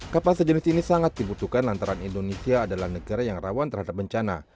kapal sejenis ini sangat dibutuhkan lantaran indonesia adalah negara yang rawan terhadap bencana